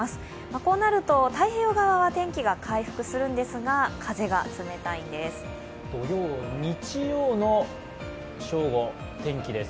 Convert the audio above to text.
こうなると太平洋側は天気が回復するんですが、風が冷たいんです。